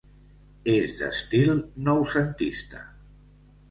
És d'estil noucentista.